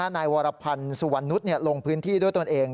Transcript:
นายวรพันธ์สุวรรณนุษย์ลงพื้นที่ด้วยตนเอง